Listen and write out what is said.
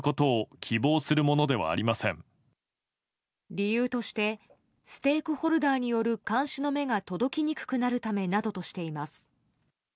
理由としてステークホルダーによる監視の目が届きにくくなるためなどとしています。